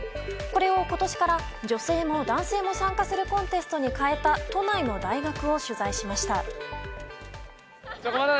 これを今年から女性も男性も参加するコンテストに変えた都内の大学を取材しました。